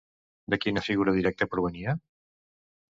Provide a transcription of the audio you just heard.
De quina figura directa provenia?